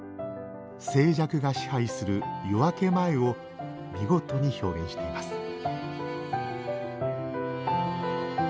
静寂が支配する夜明け前を見事に表現しています